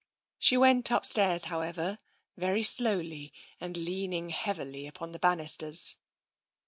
She went upstairs, however, very slowly, and leaning heavily upon the banisters.